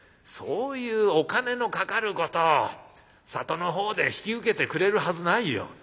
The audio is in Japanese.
そういうお金のかかることを里の方で引き受けてくれるはずないよ」。